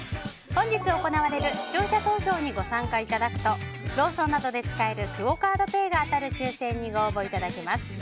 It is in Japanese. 本日行われる視聴者投票に参加いただくとローソンなどで使えるクオ・カードペイが当たる抽選にご応募いただけます。